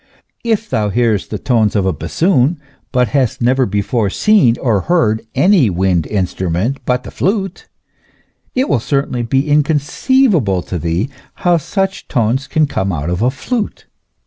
If thou hearest the tones of a bassoon, but hast never before seen or heard any wind instrument but the flute, it will certainly be inconceivable to thee how such tones can come out of a flute.